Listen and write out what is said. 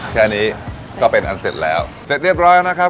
แค่นี้ก็เป็นอันเสร็จแล้วเสร็จเรียบร้อยนะครับ